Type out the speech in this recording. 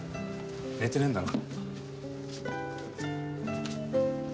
寝てねえんだろ？